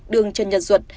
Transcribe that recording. đường trần nhật duận